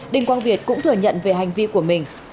đinh quang việt cũng thừa nhận về hành vi của mình